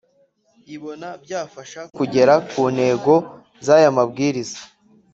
ibona byafasha kugera ku ntego z aya mabwiriza